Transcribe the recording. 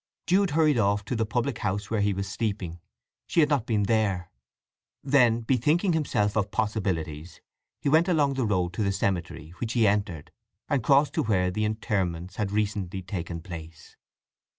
Jude hurried off to the public house where he was sleeping. She had not been there. Then bethinking himself of possibilities he went along the road to the cemetery, which he entered, and crossed to where the interments had recently taken place.